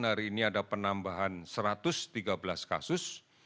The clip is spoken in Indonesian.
hari ini ada penambahan satu ratus tiga belas kasus